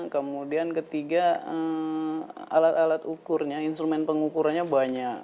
kemudian ketiga alat alat ukurnya instrumen pengukurannya banyak